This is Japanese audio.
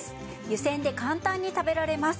湯煎で簡単に食べられます。